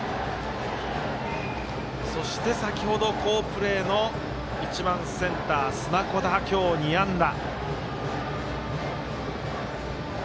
そして、先ほど好プレーの１番センター砂子田、今日２安打。